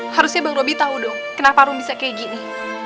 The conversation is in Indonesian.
harusnya bang robi tau dong kenapa rom bisa kayak gini